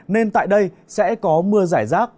nên tại đây sẽ có mưa giải rác